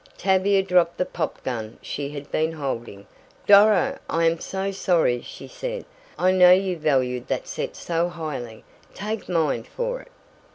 Tavia dropped the pop gun she had been holding. "Doro, I am so sorry," she said. "I know you valued that set so highly. Take mine for it."